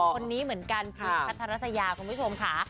คนนี้เหมือนกันพีคพัทรัสยาคุณผู้ชมค่ะ